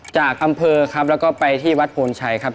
จากอำเภอครับแล้วก็ไปที่วัดโพนชัยครับ